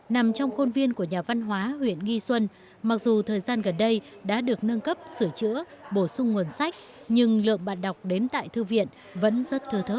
nằm trong khuôn viên của nhà văn hóa huyện nghi xuân mặc dù thời gian gần đây đã được nâng cấp sửa chữa bổ sung nguồn sách nhưng lượng bạn đọc đến tại thư viện vẫn rất thơ thớt